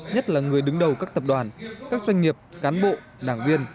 nhất là người đứng đầu các tập đoàn các doanh nghiệp cán bộ đảng viên